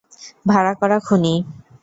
ভাড়া করা খুনি।